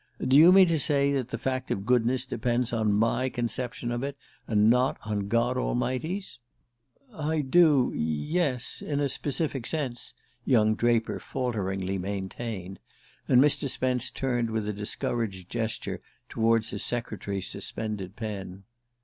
"Do you mean to say that the fact of goodness depends on my conception of it, and not on God Almighty's?" "I do ... yes ... in a specific sense ..." young Draper falteringly maintained; and Mr. Spence turned with a discouraged gesture toward his secretary's suspended pen.